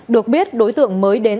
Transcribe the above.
được biết đối tượng mới đến